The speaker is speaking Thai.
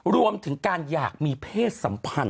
รวมถึงการอยากมีเพศสัมพันธ์